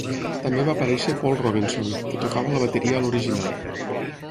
També va aparèixer Paul Robinson, que tocava la bateria a l'original.